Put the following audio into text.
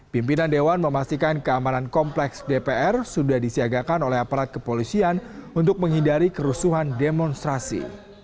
pimpinan dewan memastikan keamanan kompleks dpr sudah disiagakan oleh aparat kepolisian untuk menghindari kerusuhan demonstrasi